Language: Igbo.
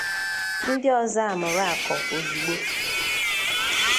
ndị ọzọ amụrụ akọ ozigbo